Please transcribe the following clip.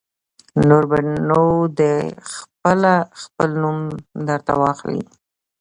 نور به نو دی خپله خپل نوم در ته واخلي.